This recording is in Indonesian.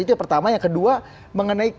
itu yang pertama yang kedua mengenai